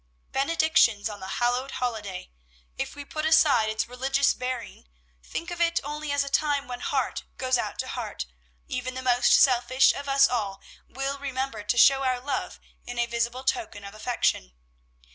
Benedictions on the hallowed holiday! If we put aside its religious bearing, think of it only as a time when heart goes out to heart, even the most selfish of us all will remember to show our love in a visible token of affection.